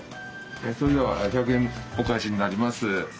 それでは１００円お返しになります。